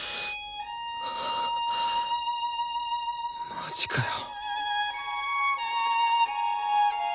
・マジかよ。